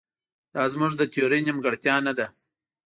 دا زموږ د تیورۍ نیمګړتیا نه ده.